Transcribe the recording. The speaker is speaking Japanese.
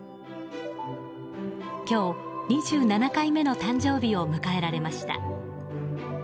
今日、２７回目の誕生日を迎えられました。